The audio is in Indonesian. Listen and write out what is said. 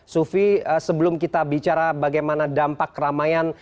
sufi sebelum kita bicara bagaimana dampak keramaian